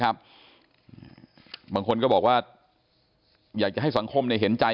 บางคนก็บอกว่าอยากจะให้สังคมเห็นใจ